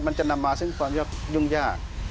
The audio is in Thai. มันจะนำมาซึ่งความยุ่งยาก